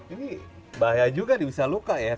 ini bahaya juga nih bisa luka ya